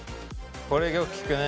これよく聞くね。